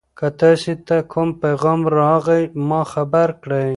که تاسي ته کوم پیغام راغی ما خبر کړئ.